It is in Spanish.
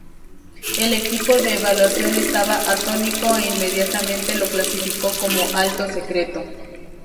El equipo de evaluación estaba atónito e inmediatamente lo clasificó como "alto secreto".